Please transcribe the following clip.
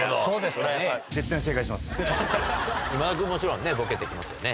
もちろんねボケてきますよね。